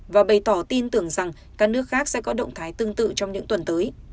và bày tỏ tin tưởng rằng các nước khác sẽ có động thái tương tự trong những tuần tới